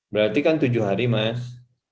berarti kan tujuh hari mas